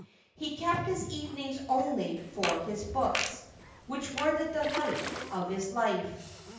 He kept his evenings only for his books, which were the delight of his life.